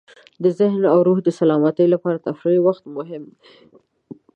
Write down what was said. د ذهن او روح د سلامتۍ لپاره د تفریح وخت مهم دی.